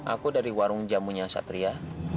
aku dari warung jamunya satria